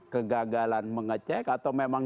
kegagalan mengecek atau memang